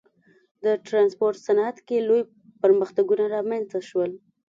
د ټرانسپورت صنعت کې لوی پرمختګونه رامنځته شول.